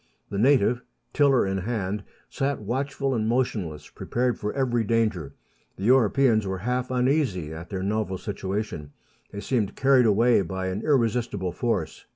The native, tiller in hand, sat watchful and motionless, prepared for every danger. The Europeans were half uneasy at their novel situation ; they seemed carried away by an irresistible force.